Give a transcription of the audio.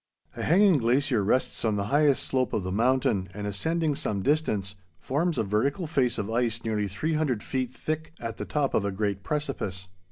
A hanging glacier rests on the highest slope of the mountain, and, ascending some distance, forms a vertical face of ice nearly three hundred feet thick at the top of a great precipice.